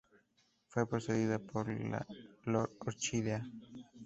Fue precedida por "L’Orchidea".